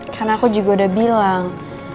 karena aku juga udah bilang